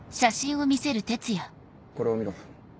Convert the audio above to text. これを見ろ。